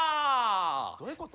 どういうこと？